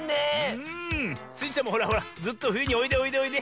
うん。スイちゃんもほらほらずっとふゆにおいでおいでおいで。